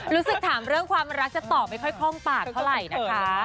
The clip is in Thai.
รู้สึกถามเรื่องความรักจะตอบไม่ค่อยคล่องปากเท่าไหร่นะคะ